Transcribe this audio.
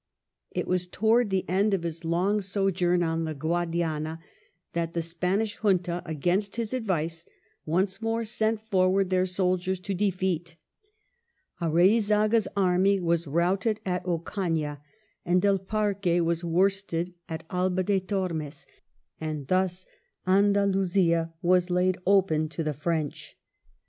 It was towards the end of his long sojourn on the Guadiana that the Spanish Junta, against his advice, once more sent forward their soldiers to defeat — Areizaga's army was routed at Ocana and Del Parque was worsted at Alba de Tormes — and thus Andalusia was laid open to the French.